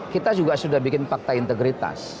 kita juga sudah bikin fakta integritas